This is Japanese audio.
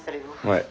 はい。